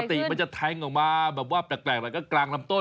ติมันจะแทงออกมาแบบว่าแปลกแล้วก็กลางลำต้น